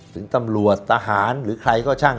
ถึงตำรวจทหารหรือใครก็ช่าง